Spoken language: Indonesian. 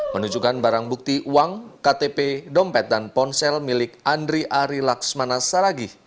menunjukkan barang bukti uang ktp dompet dan ponsel milik andri ari laksmana saragih